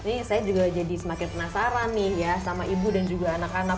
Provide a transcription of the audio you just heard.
ini saya juga jadi semakin penasaran nih ya sama ibu dan juga anak anak